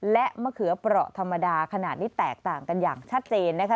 และมะเขือเปราะธรรมดาขนาดนี้แตกต่างกันอย่างชัดเจนนะคะ